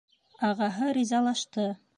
Ағаһы ризалашты.